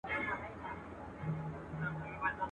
كوم لاسونه به مرۍ د قاتل نيسي.